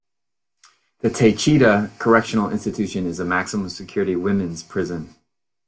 The Taycheedah Correctional Institution is a maximum security women's prison.